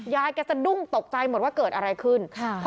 ยายแกสะดุ้งตกใจหมดว่าเกิดอะไรขึ้น